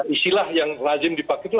istilah yang lazim dipakai itu